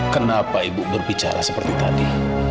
kenapa ibu berbicara seperti tadi